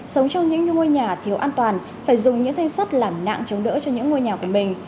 sống trong những ngôi nhà thiếu an toàn phải dùng những thanh sắt làm nạn chống đỡ cho những ngôi nhà của mình